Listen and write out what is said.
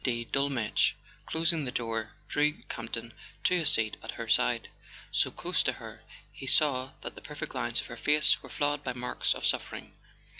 de Dolmetsch, closing the door, drew Campton to a seat at her side. So close to her, he saw that the perfect lines of her face were flawed by marks of suffering.